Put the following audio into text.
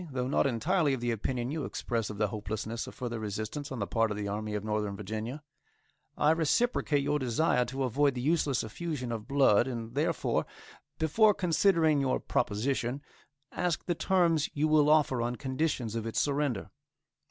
Though not entirely of the opinion you express of the hopelessness of further resistance on the part of the Army of Northern Virginia; I reciprocate your desire to avoid the useless effusion of blood, and therefore, before considering your proposition, ask the terms you will offer on conditions of its surrender.